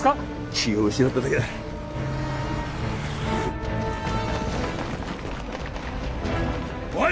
気を失っただけだおい